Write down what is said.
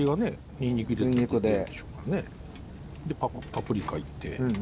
パプリカいって。